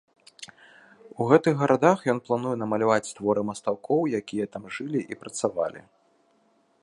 У гэтых гарадах ён плануе намаляваць творы мастакоў, якія там жылі і працавалі.